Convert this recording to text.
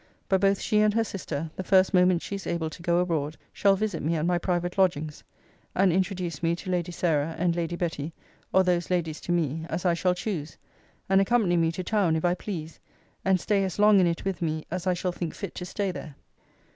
But both she and her sister, the first moment she is able to go abroad, shall visit me at my private lodgings; and introduce me to Lady Sarah and Lady Betty, or those ladies to me, as I shall choose; and accompany me to town, if I please; and stay as long in it with me as I shall think fit to stay there.